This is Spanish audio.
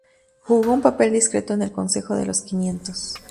Jugó un papel discreto en el Consejo de los Quinientos.